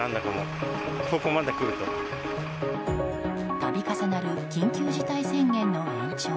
度重なる緊急事態宣言の延長。